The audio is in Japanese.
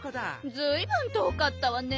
ずいぶんとおかったわね。